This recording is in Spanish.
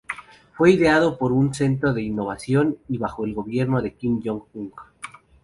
Fue ideado por un centro de innovación y bajo el Gobierno Kim Jong-un.